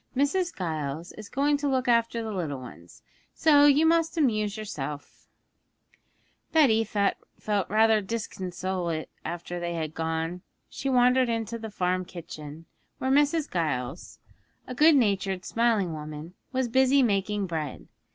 Mrs. Giles is going to look after the little ones, so you must amuse yourself.' Betty felt rather disconsolate after they had gone. She wandered into the farm kitchen, where Mrs. Giles, a good natured, smiling woman, was busy making bread.